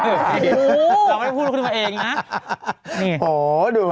แถมคุณกูพูดกันเองนะ